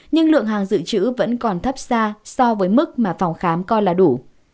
nhưng lượng hàng dự trữ vẫn còn thấp xa so với mức mà phòng khám coi là đủ